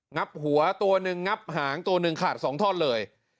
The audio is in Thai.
ับหัวตัวหนึ่งงับหางตัวหนึ่งขาด๒ท่อนเลย